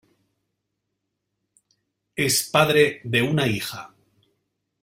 Es padre de una hija.